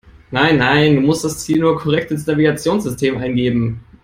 Nein, nein, du musst das Ziel nur korrekt ins Navigationssystem eingeben.